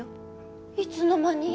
いつの間に？